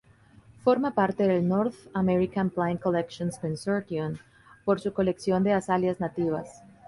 Forma parte del North American Plant Collections Consortium por su colección de azaleas nativas.